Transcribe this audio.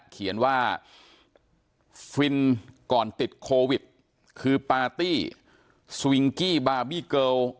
เขียนว่าฟินก่อนติดโควิดคือปาร์ตี้สวิงกี้บาร์บี้เกิล